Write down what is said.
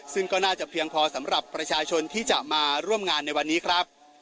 ซึ่งก็น่าจะเพียงพอสำหรับประชาชนที่จะมาร่วมงานในวันนี้ครับ